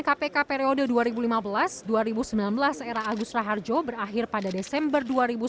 kpk periode dua ribu lima belas dua ribu sembilan belas era agus raharjo berakhir pada desember dua ribu sembilan belas